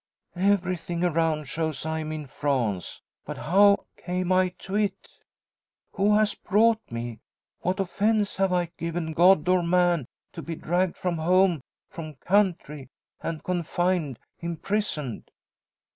"Everything around shows I am in France. But how came I to it? Who has brought me? What offence have I given God or man, to be dragged from home, from country and confined imprisoned!